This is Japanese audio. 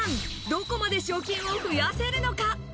どこまで賞金を増やせるのか。